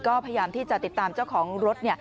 ก็พยายามที่จะติดตามเจ้าของรถ